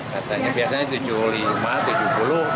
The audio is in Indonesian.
katanya biasanya rp tujuh puluh lima rp tujuh puluh